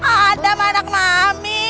adam anak mami